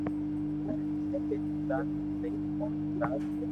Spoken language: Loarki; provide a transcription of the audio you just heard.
ھين ۾ پيرو ڪلاس مون لئين پونچ ڪلاس